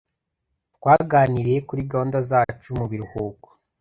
Twaganiriye kuri gahunda zacu mu biruhuko.